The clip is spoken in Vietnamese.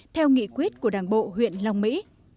theo nghị quyết của đảng bộ huyện long mỹ